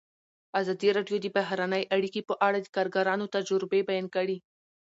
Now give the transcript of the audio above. ازادي راډیو د بهرنۍ اړیکې په اړه د کارګرانو تجربې بیان کړي.